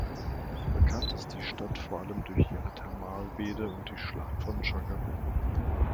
Bekannt ist die Stadt vor allem durch ihre Thermalbäder und die Schlacht von Chacabuco.